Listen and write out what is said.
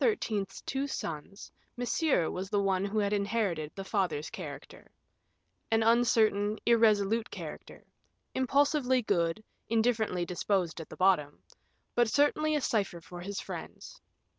's two sons, Monsieur was the one who had inherited the father's character an uncertain, irresolute character; impulsively good, indifferently disposed at bottom; but certainly a cipher for his friends.